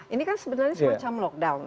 ini kan sebenarnya semacam lockdown